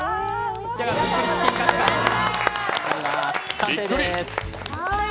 完成ですね。